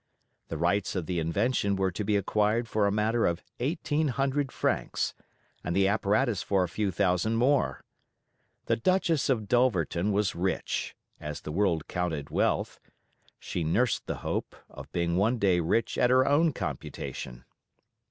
The rights of the invention were to be acquired for a matter of eighteen hundred francs, and the apparatus for a few thousand more. The Duchess of Dulverton was rich, as the world counted wealth; she nursed the hope, of being one day rich at her own computation.